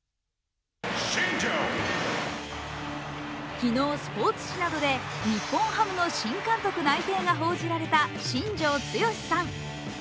昨日、スポーツ紙などで日本ハムの新監督内定が報じられた新庄剛志さん。